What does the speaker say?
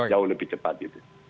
jauh lebih cepat gitu